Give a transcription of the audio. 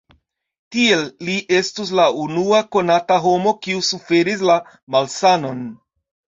Tiel li estus la unua konata homo kiu suferis la malsanon.